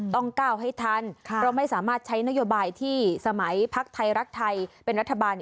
ก้าวให้ทันเพราะไม่สามารถใช้นโยบายที่สมัยพักไทยรักไทยเป็นรัฐบาล